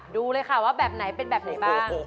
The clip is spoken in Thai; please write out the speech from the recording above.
ดูเลยค่ะว่าแบบไหนเป็นแบบไหนบ้าง